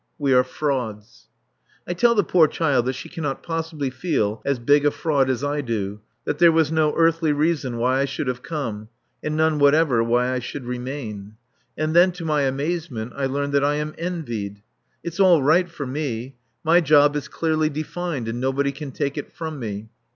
We are frauds. I tell the poor child that she cannot possibly feel as big a fraud as I do; that there was no earthly reason why I should have come, and none whatever why I should remain. And then, to my amazement, I learn that I am envied. It's all right for me. My job is clearly defined, and nobody can take it from me.